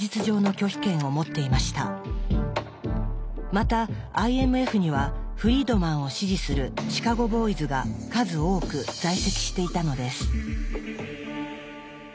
またＩＭＦにはフリードマンを支持するシカゴ・ボーイズが数多く在籍していたのです。